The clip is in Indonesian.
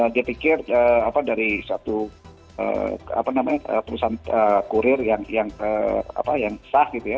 dia pikir dari satu perusahaan kurir yang sah gitu ya